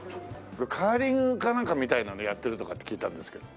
カーリングかなんかみたいなのやってるとかって聞いたんですけど。